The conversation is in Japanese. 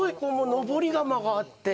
登り窯があって。